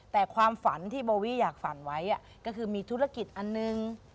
แต่ความฝันที่โบวี่อยากฝันไว้ก็คือมีธุรกิจอันหนึ่ง